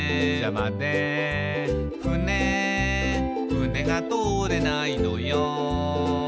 「ふねふねが通れないのよ」